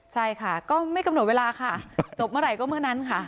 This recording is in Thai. ใช่ค่ะก็ไม่กำหนดเวลาค่ะจบเมื่อไหร่ก็เมื่อนั้นค่ะ